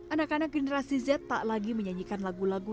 anak anak generasi z tak lagi menyanyikan lagu lagu